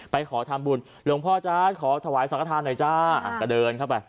ขอทำบุญหลวงพ่อจ๊ะขอถวายสังฆฐานหน่อยจ้าก็เดินเข้าไป